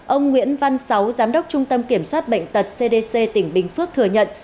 ông nguyễn văn sáu giám đốc trung tâm kiểm soát bệnh tật cdc tỉnh bình phước thừa nhận